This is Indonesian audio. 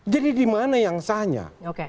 jadi dimana yang sahnya